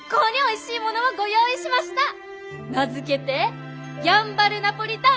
名付けてやんばるナポリタン！